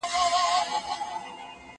زه هره ورځ موسيقي اورم